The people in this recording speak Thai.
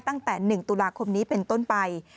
ตั้งแต่๑ตุลาคมนี้เป็นต้นไป